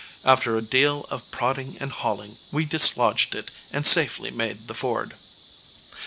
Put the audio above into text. After a deal of prodding and hauling, we dislodged it and safely made the ford.